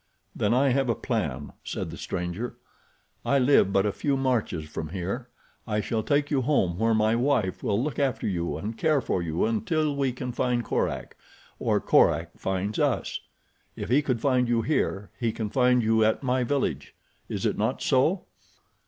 "Then I have a plan," said the stranger. "I live but a few marches from here. I shall take you home where my wife will look after you and care for you until we can find Korak or Korak finds us. If he could find you here he can find you at my village. Is it not so?"